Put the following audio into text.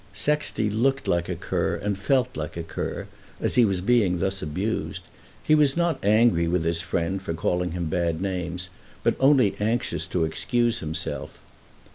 Sexty looked like a cur and felt like a cur, as he was being thus abused. He was not angry with his friend for calling him bad names, but only anxious to excuse himself.